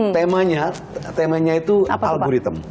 temanya temanya itu algoritem